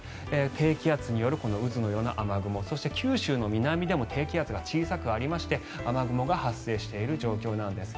低気圧による渦のような雨雲そして九州の南でも低気圧が小さくありまして雨雲が発生している状況なんです。